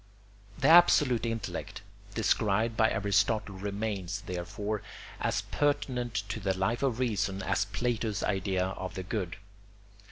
The absolute intellect described by Aristotle remains, therefore, as pertinent to the Life of Reason as Plato's idea of the good.